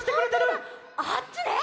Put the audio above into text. あっちね！